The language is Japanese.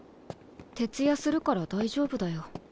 徹夜するから大丈夫だよ。